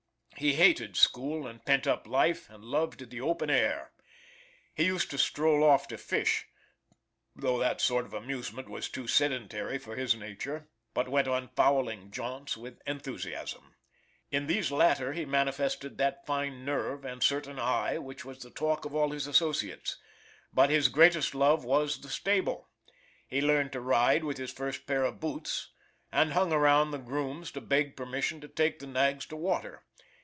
He hated school and pent up life, and loved the open air. He used to stroll off to fish, though that sort of amusement was too sedentary for his nature, but went on fowling jaunts with enthusiasm. In these latter he manifested that fine nerve, and certain eye, which was the talk of all his associates; but his greatest love was the stable; He learned to ride with his first pair of boots, and hung around the grooms to beg permission to take the nags to water.